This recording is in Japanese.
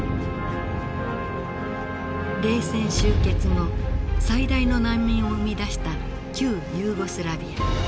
冷戦終結後最大の難民を生み出した旧ユーゴスラビア。